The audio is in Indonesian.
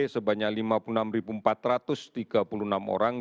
sebanyak lima puluh enam empat ratus tiga puluh enam orang